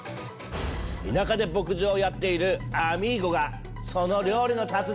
田舎で牧場をやっているアミーゴがその料理の達人！